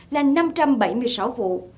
là năm trăm bảy mươi sáu vụ